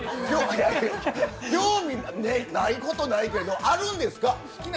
興味ないことないけど、あるんですか？